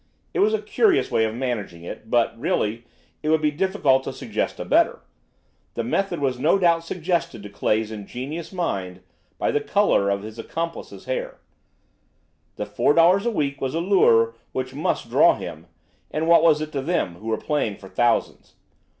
It was a curious way of managing it, but, really, it would be difficult to suggest a better. The method was no doubt suggested to Clay's ingenious mind by the colour of his accomplice's hair. The £ 4 a week was a lure which must draw him, and what was it to them, who were playing for thousands?